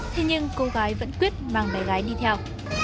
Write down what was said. thế nhưng cô gái vẫn quyết mang bé gái đi theo